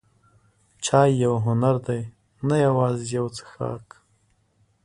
چای یو هنر دی، نه یوازې یو څښاک.